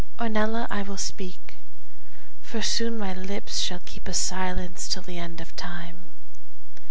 Ornella, I will speak, for soon my lips Shall keep a silence till the end of time.